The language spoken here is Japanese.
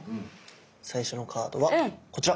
最初のカードはこちら。